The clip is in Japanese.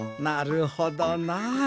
なるほどなあ。